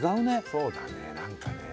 そうだね何かね